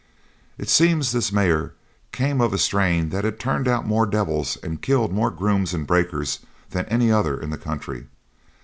It seems this mare came of a strain that had turned out more devils and killed more grooms and breakers than any other in the country.